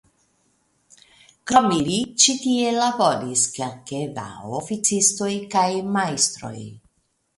Krom ili ĉi tie laboris kelke da oficistoj kaj majstroj.